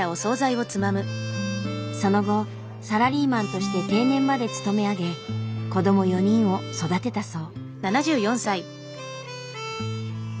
その後サラリーマンとして定年まで勤め上げ子ども４人を育てたそう。